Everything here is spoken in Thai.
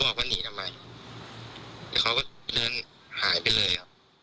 เขาบอกว่านี่ทำไมแต่เขาก็เนินหายไปเลย